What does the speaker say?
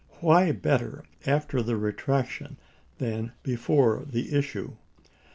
Why better after the retraction than before the issue ?